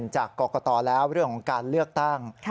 จากกรกตแล้วเรื่องของการเลือกตั้ง